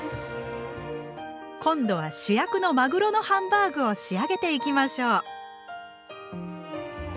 今度は主役のまぐろのハンバーグを仕上げていきましょう。